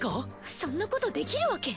そんなことできるわけ？